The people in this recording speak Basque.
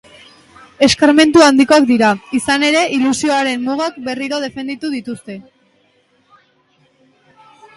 Eskarmentu handikoak dira, izan ere, ilusioaren mugak berriro definitu dituzte.